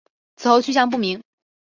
此后去向不明。